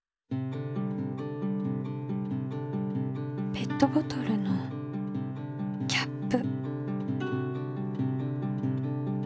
ペットボトルのキャップ。